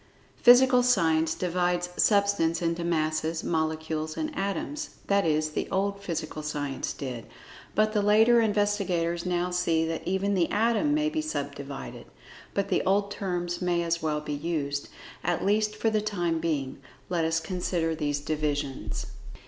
Physical Science divides Substance into Masses, Molecules, and Atoms—that is, the old Physical Science did, but the later investigators now see that even the Atom may be sub divided. But the old terms may as well be used, at least for the time being. Let us consider these divisions.